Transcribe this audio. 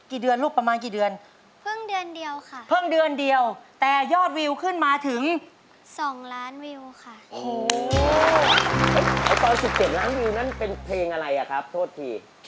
ตอน๑๗ล้านวิวนั่นเป็นเพลงอะไรครับโทษพีค